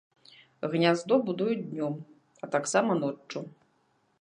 Гняздо будуюць днём, а таксама ноччу.